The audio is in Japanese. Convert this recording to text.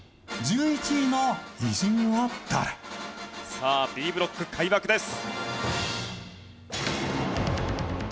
さあＢブロック開幕です。